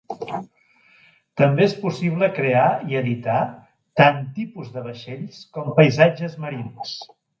També és possible crear i editar tant tipus de vaixells com paisatges marins.